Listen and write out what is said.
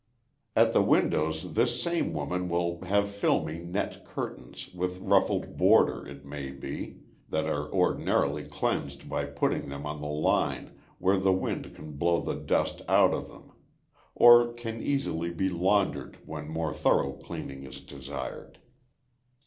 "At the windows this same woman will have filmy net curtains, with ruffled border, it may be, that are ordinarily cleansed by putting them on the line where the wind can blow the dust out of them; or can easily be laundered when more thorough cleaning is desired.